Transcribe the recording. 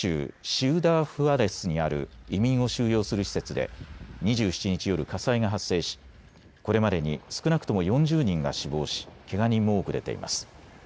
シウダー・フアレスにある移民を収容する施設で２７日夜、火災が発生しこれまでに少なくとも４０人が死亡しけが人も多く出ています。